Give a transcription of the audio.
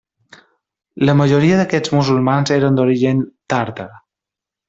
La majoria d'aquests musulmans eren d'origen Tàrtar.